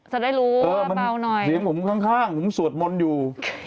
จะได้รู้ว่าเบาหน่อยเสียงผมข้างผมสวดมนต์อยู่